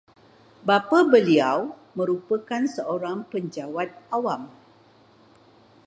Bapa beliau merupakan seorang penjawat awam